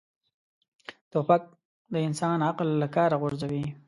توپک د انسان عقل له کاره غورځوي.